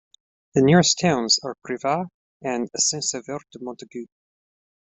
The nearest towns are Privas and Saint-Sauveur-de-Montagut.